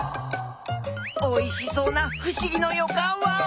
おいしそうなふしぎのよかんワオ！